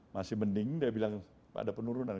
masih mending dia bilang ada penurunan